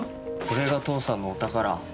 これが父さんのお宝。